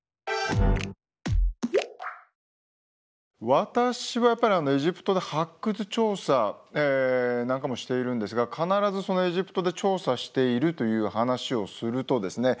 私はやっぱりエジプトで発掘調査なんかもしているんですが必ずエジプトで調査しているという話をするとですね